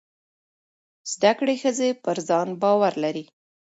زده کړې ښځې پر ځان باور لري.